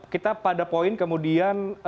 kita pada poin kemudian